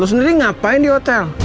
aku sendiri ngapain di hotel